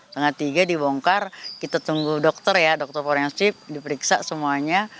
setengah tiga dibongkar kita tunggu dokter ya dokter forensik diperiksa semuanya